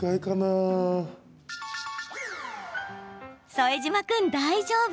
副島君、大丈夫！